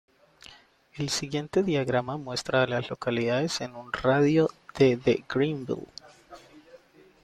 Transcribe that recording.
El siguiente diagrama muestra a las localidades en un radio de de Greenville.